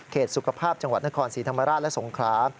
สุขภาพจังหวัดนครศรีธรรมราชและสงครา